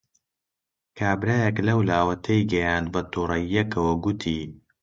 کابرایەک لەولاوە تێی گەیاند، بەتووڕەیییەکەوە گوتی: